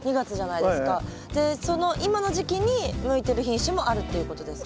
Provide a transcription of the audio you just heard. その今の時期に向いてる品種もあるっていうことですか？